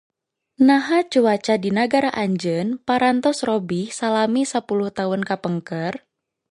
Naha cuaca di nagara anjeun parantos robih salami sapuluh taun kapengker